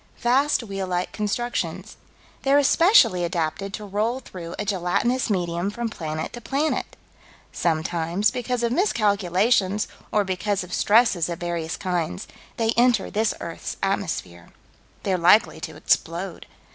Vast wheel like constructions. They're especially adapted to roll through a gelatinous medium from planet to planet. Sometimes, because of miscalculations, or because of stresses of various kinds, they enter this earth's atmosphere. They're likely to explode.